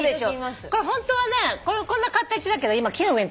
これホントはねこんな形だけど今木の上に止まってる。